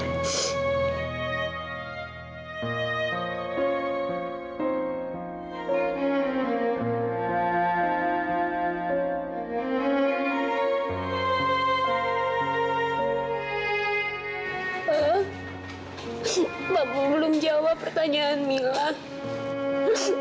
ini dengananga pak haris